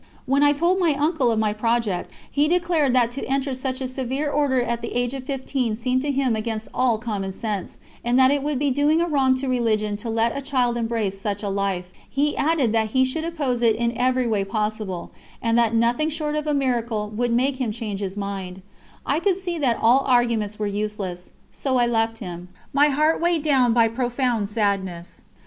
When I told my uncle of my project, he declared that to enter such a severe Order at the age of fifteen seemed to him against all common sense, and that it would be doing a wrong to religion to let a child embrace such a life. He added that he should oppose it in every way possible, and that nothing short of a miracle would make him change his mind. I could see that all arguments were useless, so I left him, my heart weighed down by profound sadness.